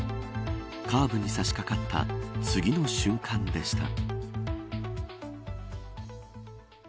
カーブに差しかかった次の瞬間でした。